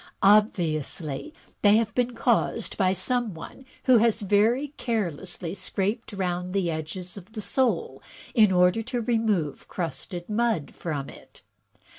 Obviously they have been caused by some one who has very carelessly scraped round the edges of the sole in order to remove crusted mud from it.